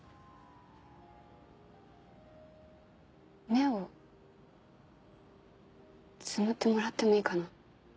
目をつむってもらってもいいかな？